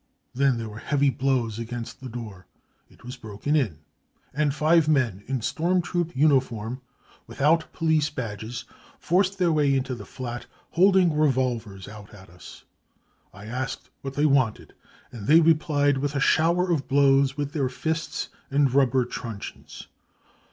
5 Then there were heavy blows against the door ; it was broken in, and five men in storm troop uniform, without police badg^i, forced their way into the flat, holding revolvers out m us. I asked what they wanted, and they replied with a shower of blows with their fists and rubber * truncheons.